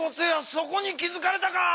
そこに気づかれたか。